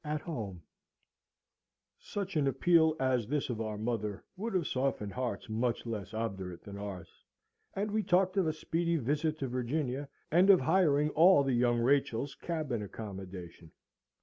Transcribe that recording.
At Home Such an appeal as this of our mother would have softened hearts much less obdurate than ours; and we talked of a speedy visit to Virginia, and of hiring all the Young Rachel's cabin accommodation.